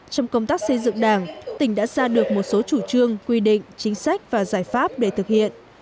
trong công tác xây dựng đảng tỉnh đã ra được một số chủ trương quy định chính sách và giải pháp để thực hiện